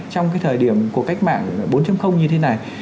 trong cái thời điểm của cách mạng bốn như thế này